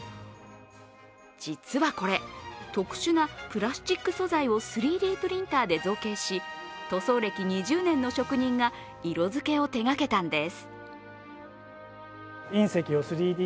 実はこれ、特殊なプラスチック素材を３Ｄプリンターで造形し塗装歴２０年の職人がら色づけを手がけたんです。